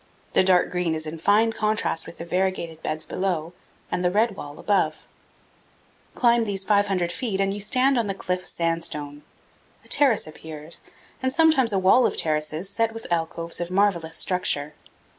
The dark green is in fine contrast with the variegated beds below and the red wall above. Climb these 500 feet and you stand on the cliff sandstone. A terrace appears, and sometimes a wall of terraces set with alcoves of marvelous structure.